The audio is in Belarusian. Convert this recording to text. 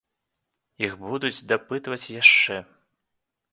Іх будуць дапытваць яшчэ.